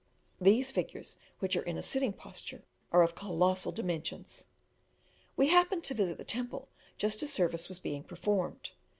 These figures, which are in a sitting posture, are of colossal dimensions. We happened to visit the temple just as service was being performed.